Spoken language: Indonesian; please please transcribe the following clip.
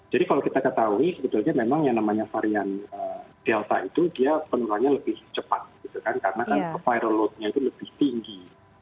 jadi kalau kita ketahui sebetulnya memang yang namanya varian delta itu penularannya lebih cepat karena viral loadnya itu lebih tinggi